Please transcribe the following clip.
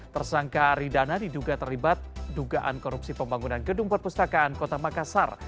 tersangka ridana diduga terlibat dugaan korupsi pembangunan gedung perpustakaan kota makassar